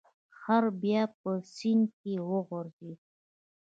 خر بیا په سیند کې وغورځید.